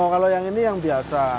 kalau yang ini yang biasa